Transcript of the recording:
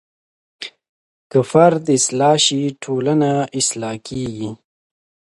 که فرد اصلاح شي ټولنه اصلاح کیږي.